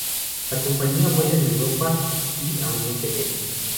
La compañía vuela en Europa y a Oriente Medio.